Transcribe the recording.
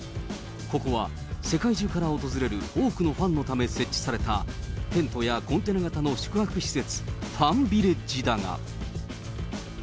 ここは世界中から訪れる多くのファンのため設置された、テントやコンテナ型の宿泊施設、ファンビレッジだが。